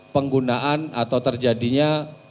penggunaan atau terjadinya